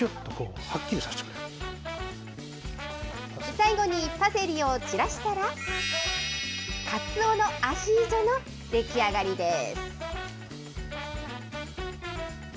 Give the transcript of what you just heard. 最後にパセリ散らしたら、かつおのアヒージョの出来上がりです。